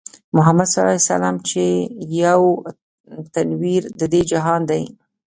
محمدص چې يو تنوير د دې جهان دی